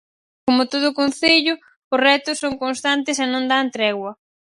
Como todo concello, os retos son constantes e non dan tregua.